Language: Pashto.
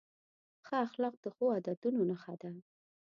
ښه اخلاق د ښو عادتونو نښه ده.